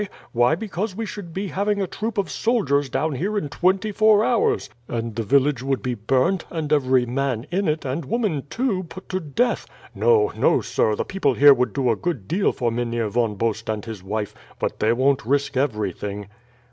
Why, because we should be having a troop of soldiers down here in twenty four hours, and the village would be burnt, and every man in it, and woman too, put to death. No, no, sir; the people here would do a good deal for Mynheer Von Bost and his wife, but they won't risk everything."